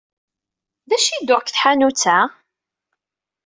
D acu i d-tuɣ deg tḥanut-a?